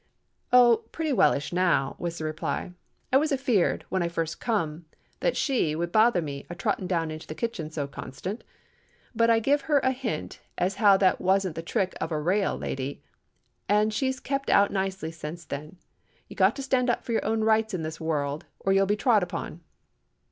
"'Oh! pretty well ish, now,' was the reply. 'I was a feard, when I first come, that she would bother me a trotting down into the kitchen so constant. But I give her a hint as how that wasn't the trick of a raal lady, and she's kep' out nicely sence then. You've got to stand up for your own rights in this wurrld, or you'll be trod upon.